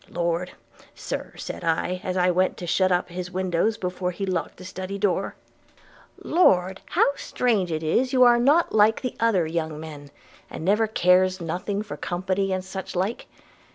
Lord! sir, said I, as I went to shut up his windows before he lock'd the study door – Lord, how strange it is that you are not like other young men, and never cares nothing for company and such like!